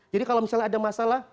jadi kalau misalnya ada masalah